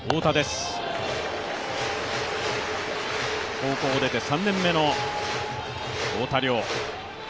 高校を出て３年目の太田椋。